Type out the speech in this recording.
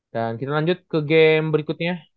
dan kita lanjut ke game berikutnya